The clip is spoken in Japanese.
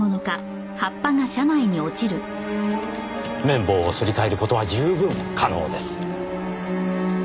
綿棒をすり替える事は十分可能です。